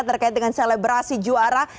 terkait dengan selebrasi juara